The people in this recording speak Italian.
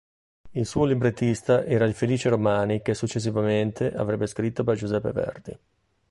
Il suo librettista era il Felice Romani che successivamente avrebbe scritto per Giuseppe Verdi.